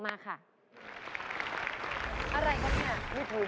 อะไรกันเนี่ย